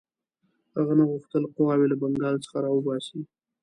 هغه نه غوښتل قواوې له بنګال څخه را وباسي.